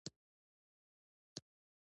له نورو جذابو ځایونو په منځ کې قصرالبنت دی.